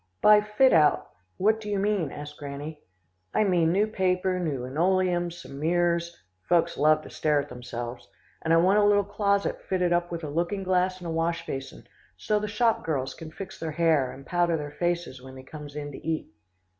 "'By fit out, what do you mean?' asked Granny. "'I mean new paper, new linoleum, some mirrors folks love to stare at themselves, and I want a little closet fitted up with a looking glass and a wash basin, so the shop girls can fix their hair, and powder their faces when they comes in to eat.